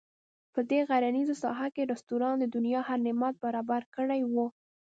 په دې غرنیزه ساحه کې رسټورانټ د دنیا هر نعمت برابر کړی وو.